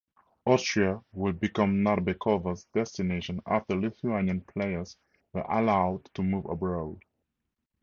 Austria would become Narbekovas' destination after Lithuanian players were allowed to move abroad.